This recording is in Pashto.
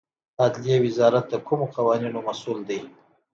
عدلیې وزارت د کومو قوانینو مسوول دی؟